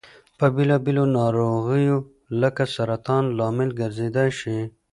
د بېلا بېلو نارغیو لکه سرطان لامل ګرځيدای شي.